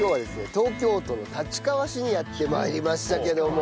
東京都の立川市にやって参りましたけども。